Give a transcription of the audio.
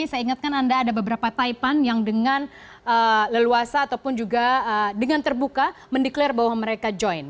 saya ingatkan anda ada beberapa taipan yang dengan leluasa ataupun juga dengan terbuka mendeklarasi bahwa mereka join